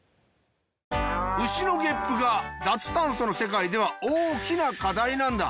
牛のゲップが脱炭素の世界では大きな課題なんだ。